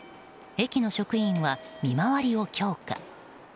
駅の職員は見回りを強化。